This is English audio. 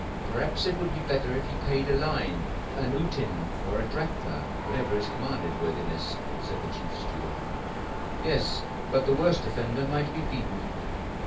"Perhaps it would be better if he paid a line, an uten or a drachma, whatever is commanded, worthiness," said the chief steward. "Yes; but the worst offender might be beaten."